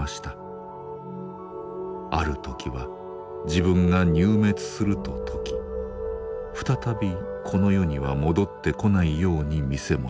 あるときは自分が入滅すると説き再びこの世には戻って来ないように見せもしました。